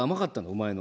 お前の。